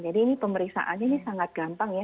jadi ini pemeriksaan ini sangat gampang ya